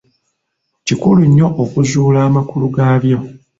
Kikulu nnyo okuzuula amakulu gaabyo.